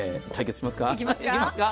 対決しますか。